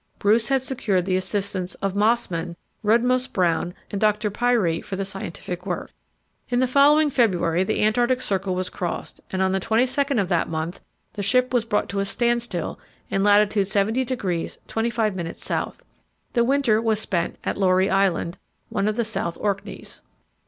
Bruce had secured the assistance of Mossman, Rudmose Brown and Dr. Pirie for the scientific work. In the following February the Antarctic Circle was crossed, and on the 22nd of that month the ship was brought to a standstill in lat. 70° 25' S. The winter was spent at Laurie Island, one of the South Orkneys.